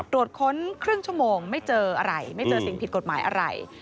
ตรวจค้นครึ่งชั่วโมงไม่เจออะไรไม่เจอสิ่งผิดกฎหมายอะไร